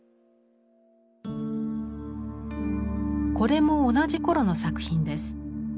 これも同じ頃の作品です。